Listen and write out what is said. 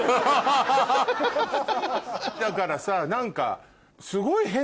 だからさ何か。